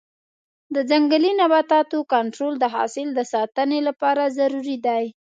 د ځنګلي نباتاتو کنټرول د حاصل د ساتنې لپاره ضروري دی.